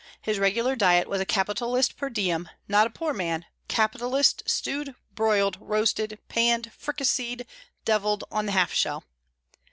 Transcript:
His regular diet was a capitalist per diem, not a poor man capitalist stewed, broiled, roasted, panned, fricaseed, devilled, on the half shell.